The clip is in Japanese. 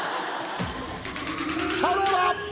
さあどうだ⁉